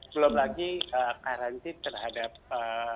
belum lagi karantin terhadap